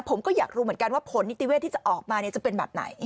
ผมก็อยากรู้เหมือนกันว่าผลนิติเวศที่จะออกมาจะเป็นแบบไหน